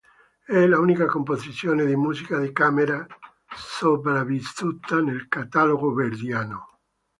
È l'unica composizione di musica da camera sopravvissuta nel catalogo verdiano.